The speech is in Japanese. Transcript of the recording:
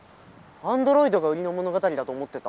アンドロイドが売りの物語だと思ってた。